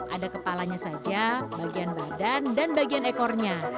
ada kepalanya saja bagian badan dan bagian ekornya